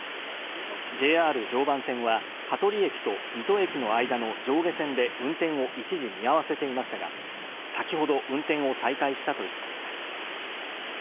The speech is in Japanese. ＪＲ常磐線は羽鳥駅と水戸駅の間の上下線で運転を一時見合わせていましたが、先ほど運転を再開したということです。